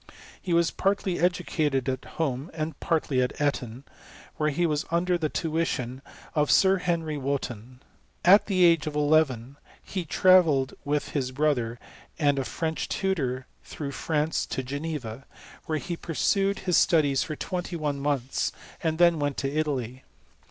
He was partly educated at liome, and partly at Eton, where he was under the (tuition of Sir Henry Wotton. At the age of eleven, he travelled with his brother and a French tutor through France to Geneva, where he pursued his 204 HISTORY OP CHEMISTRY. Studies for twenty one months, and then "went to Italy.